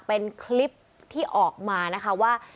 เป็นคลิปที่ออกมานะคะว่า